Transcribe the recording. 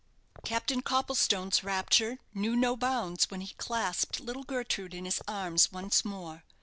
Captain Copplestone's rapture knew no bounds when he clasped little Gertrude in his arms once more.